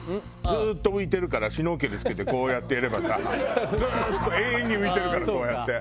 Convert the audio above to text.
ずっと浮いてるからシュノーケル着けてこうやってやればさずっと永遠に浮いてるからこうやって。